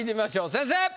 先生！